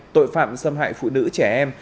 tội phạm xâm hại phụ nữ trẻ em